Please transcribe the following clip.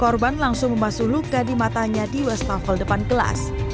korban langsung memasuk luka di matanya di wastafel depan kelas